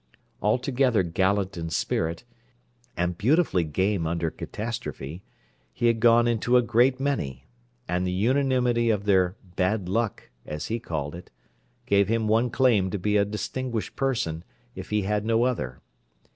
Altogether gallant in spirit, and beautifully game under catastrophe, he had gone into a great many, and the unanimity of their "bad luck," as he called it, gave him one claim to be a distinguished person, if he had no other.